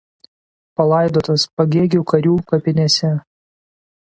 Palaidotas Pagėgių karių kapinėse.